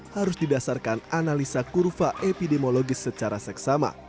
harus didasarkan analisa kurva epidemiologis secara seksama